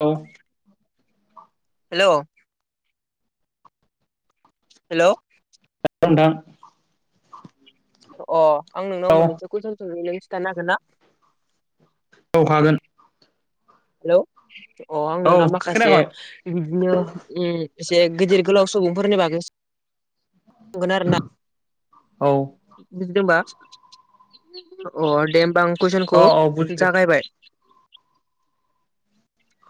औ। हेल' हेल' नोंथां अ आं औ नोंनाव मोननैसो कुइसन सोंनो नों खिथानो हागोन ना? औ हागोन हेल्ल' अ आं औ नोंनाव माखासे खोनायाखै बिदिनो एसे गिदिर गोलाव सुबुंफोरनि बागै बुंगोन आरो ना औ [unintelligible] अ दे होमबा आं अ कुइसनखौ औ बुजिदों जागायबाय। [inaudible]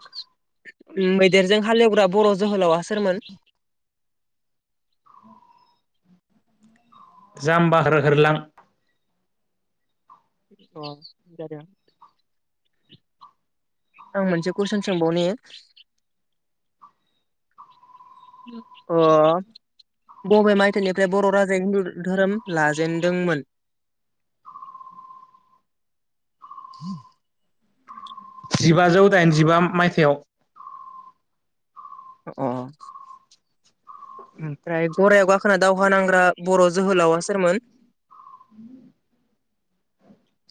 [inaudible] उम मैदेरजों हालेवग्रा बर' जोहोलावा सोरमोन? [unintelligible] जाम्बाहोर होरलां। अ जादो। आं मोनसे कुइसन सोंबावनि अ बबे मायथाइनिफ्राय बर' राजाया हिन्दु धोरोम लाजेनदोंमोन? [unintelligible] जिबाजौ दाइनजिबा मायथाइयाव। अ ओमफ्राय गरायाव गाखोना दावहा नांग्रा बर' जोहोलावा सोरमोन? [unintelligible]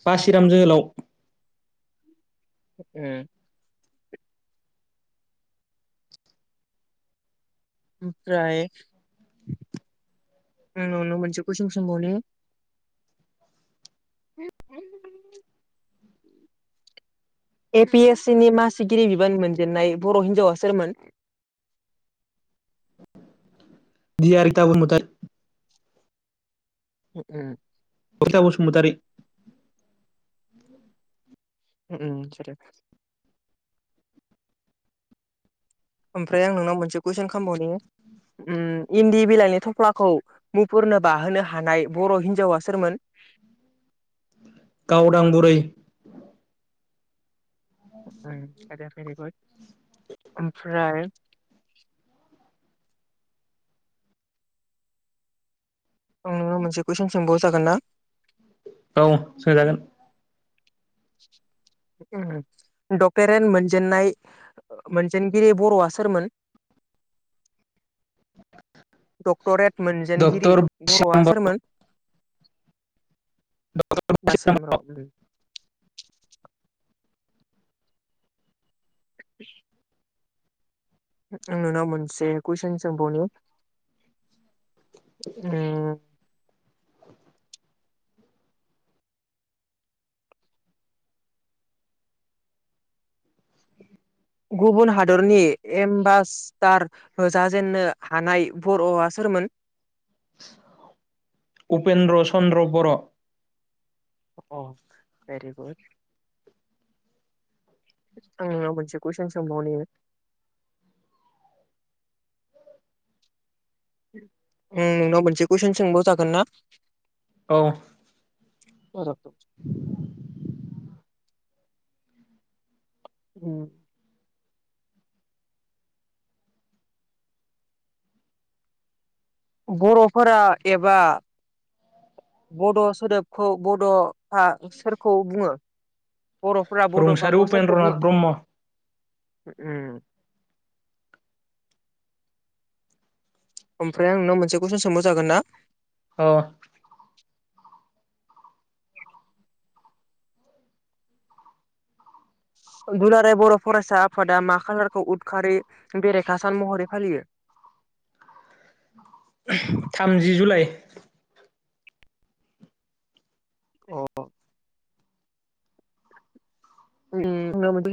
बासिराम जोहोलाव। उम ओमफ्राय नोंनाव मोनसे कुइसन सोंबावनि [unintelligible] ए पि एस सि नि मासिगिरि बिबान मोनजेनन्नाय बर' हिनजावा सोरमोन? [unintelligible] दियारिता बुनमुतारि। [unintelligible] रिता बसुमतारि। [unintelligible] ओमफ्राय आं नोंनाव मोनसे कुइसन खामबावनि उम इन्दि बिलाइनि थफ्लाखौ मुफुरनो बाहोनो हानाय बर' हिन्जावा सोरमोन? गावदां बुरै। [unintelligible] [unintelligible] ओमफ्राय आं नोनाव मोनसे कुइसन सोंबाव जागोन ना? औ सोंजागोन उम डक्टरेट मोनजेननाय मोनजेनगिरि बर'आ सोरमोन? [unintelligible] डक्टरेट मोनजेनगिरि डक्टर बर'आ सोरमोन? डक्टर बासिराम बर'। [unintelligible] आं नोंनाव मोनसे कुइसन सोंबावनि। उम गुबुन हादरनि एम्बासडार हो जाजेेननो हानाय बर'आ सोरमोन? उपेन्द्र चन्द्र बर'। अ भेरि गुड। आं नोंनाव मोनसे कुइसन सोंबावनि उम नोंनाव मोनसे कुइसन सोंबाव जागोन ना। औ। [inaudible] उम। बर'फोरा एबा बड' सोदोबखौ बड'आ सोरखौ बुङो? बर'फोरा रुंसारि बड'फाखौ सोरखौ उपेन्द्रनाथ बुङो? ब्रह्म उम। ओमफ्राय आं नोंनाव मोनसे कुइसन सोंबाव जागोन ना? अ। दुलाराय बर' फरायसा आफादा मा खालारखौ उदखारि बेरेखा सान महरै फालियो? थामजि जुलाइ। अ।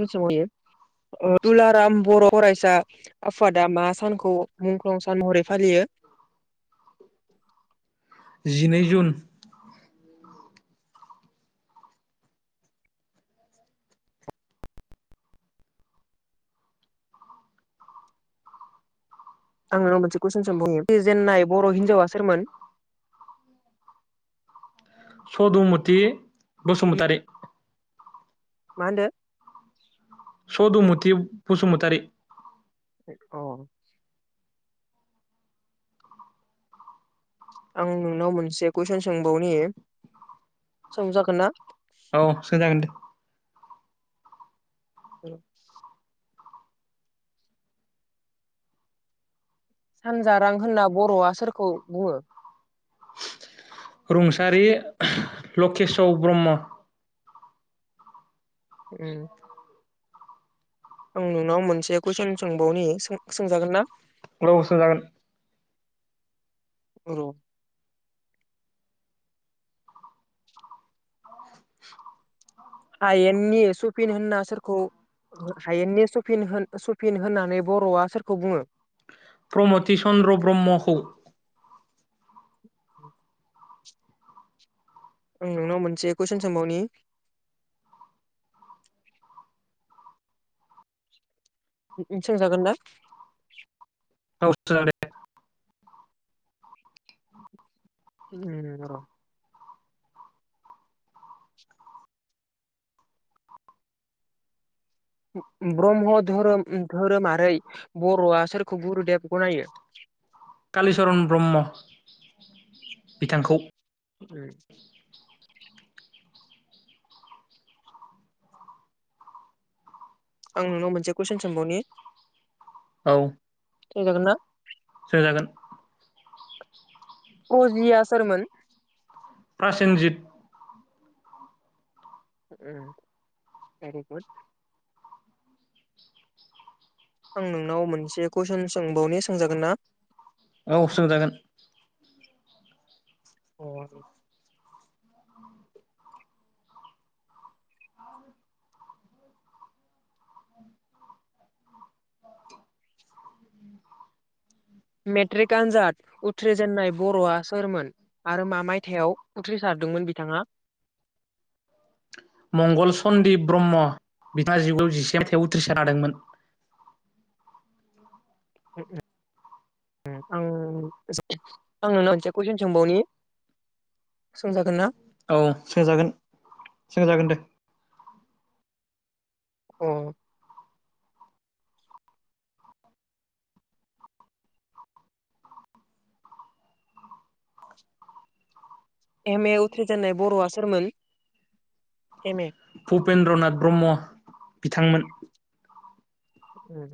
[inaudible] दुलाराम बर' फरायसा आफादा मा सानखौ मुंख्लं सान महरै फालियो? जिनै जुन। आं नोंनाव मोनसे कुइसन सोंबावनि जेननाय बर' हिनजावा सोरमोन? [inaudible] सदुमति बसुमतारी। मा होनदो? सधुमुथि बसुमतारि। अ। आं नोंनाव मोनसे कुइसन सोंबावनि सोंजागोन ना? औ सोंजागोन दे। [inaudible] सानजारां होनना बर'आ सोरखौ बुङो? रुंसारि लकेश' ब्रह्म। उम। आं नोंनाव मोनसे कुइसन सोंबावनि सो सोंजागोन ना? औ सोंजागोन। औ। हायेननि सुफिन होनना सारखौ हायेननि सफिन होन सफिन होननानै बर'आ सोरखौ बुङो? प्रमति चन्द्र ब्रह्मखौ। [inaudible] आं नोंनाव मोनसे कुइसन सोंबावनि? सोंजागोन ना? औ सोजागोन दे। उम उम र। ब्रह्म धोरोम धोरोमारै बर'आ सोरखौ गुरुदेब गनायो? कालिचरन ब्रह्म बिथांखौ। उम। आं नोंनाव मोनसे कुइसन सोंबावनि? औ। सोंजागोंनना? सों जागोन। ख्रजिया सोरमोन? प्र्रासिनजित। उम भेरि गुद। आं नोंनाव मोनसे कुइसन सोंबावनि सोंजागोन ना? औ सोंजागोन। अ। मेट्रिक आनजाद उथ्रिजेननाय बर'आ सोरमोन आरो मा मायथायाइाव उथ्रिसार दोंमोन बिथाङा। मंगल सन्दीप ब्रह्म। बिथाङा जिगु जिसे मायथाइयाव उथ्रिसार हादोंमोन। [inaudible] उम आं आं नोंनवा मोनसे कुइसन सोंबावनि। सोंजागोनना? औ सोंजागोन सोंजागोन दे। औ एम ए उथ्रिजेननाय बर'आ सोरमोन? एम ए भुपेन्द्रनाथ ब्रह्म बिथांमोन। ओम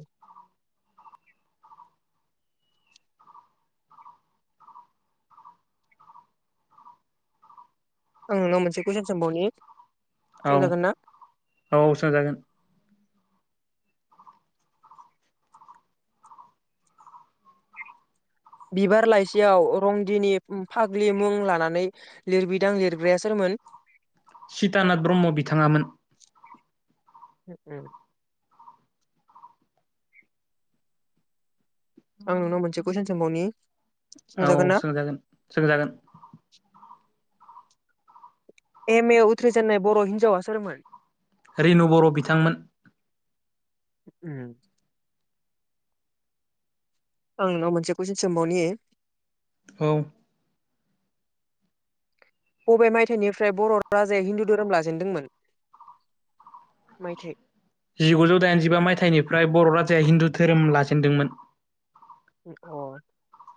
ओं माबा मोनसे कुइसन सोंबावनि औ सोंजागोन ना औ सोंजागोन। बिबार लाइसियाव रंदिनि फाग्लि मुं लानानै लिरबिदां लिरग्राया सोरमोन? मोन। चीतानाथ ब्रह्म बिथाङामोन। ओ आं नोंनाव मोनसे कुइसन सोंबावनि औ सोंजागोन सोंजागोन। एम ए उथ्रिजेननाय बर' हिन्जावा सोरमोन? रेनु बर' बिथांमोन। ओम आं नोंनाव मोनसे कुइसन सोंबावनि औ बबे मायथाइनिफ्राय बर' राजाया हिन्दु धोरोम लाजेनदोंमोन? माइथाइ जिगुजौ दाइनजिबा मायथाइनिफ्राय बर' राजाया हिन्दु धोरोम लाजेेनदोंमोन। अ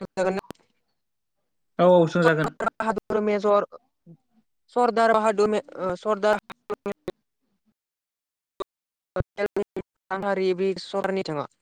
सोंजागोनना? औ औ सोंजागोन। स सरदार हाद सरदार ह [unintelligible] ारि ब्रि सहरनि थाङा [unintelligible]